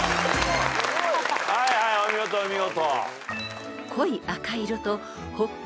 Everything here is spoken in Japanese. はいはいお見事お見事。